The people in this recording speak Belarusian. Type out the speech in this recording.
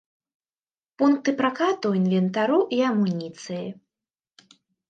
Пункты пракату інвентару і амуніцыі.